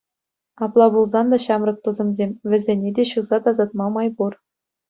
Апла пулсан та, ҫамрӑк тусӑмсем, вӗсене те ҫуса тасатма май пур.